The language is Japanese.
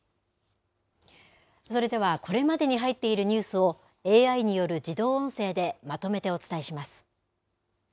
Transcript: それでは、これまでに入っているニュースをＡＩによる自動音声でまとめてお伝えします。